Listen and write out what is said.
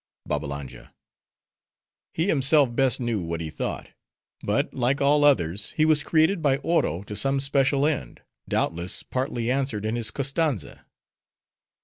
BABBALANJA—He himself best knew what he thought; but, like all others, he was created by Oro to some special end; doubtless, partly answered in his Koztanza.